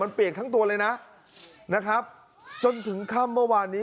เปียกทั้งตัวเลยนะนะครับจนถึงค่ำเมื่อวานนี้